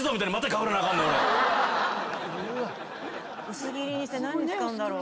薄切りにして何に使うんだろう。